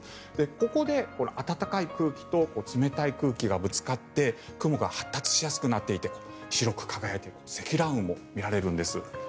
ここで暖かい空気と冷たい空気がぶつかって雲が発達しやすくなっていて白く輝いている積乱雲も見られるんです。